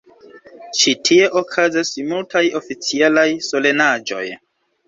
Ĉi tie okazas multaj oficialaj solenaĵoj.